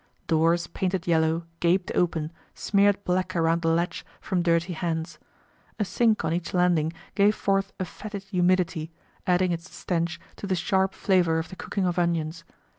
Doors, painted yellow, gaped open, smeared black around the latch from dirty hands. A sink on each landing gave forth a fetid humidity, adding its stench to the sharp flavor of the cooking of onions.